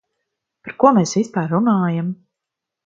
Par ko mēs vispār runājam?